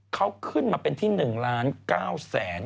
เขาขึ้นมาเป็นที่๑ล้าน๙แสน